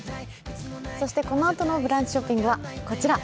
このあとの「ブランチショッピング」はこちら。